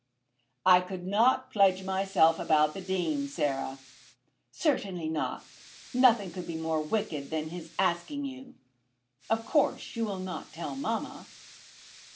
"I could not pledge myself about the Dean, Sarah." "Certainly not. Nothing could be more wicked than his asking you. Of course, you will not tell mamma."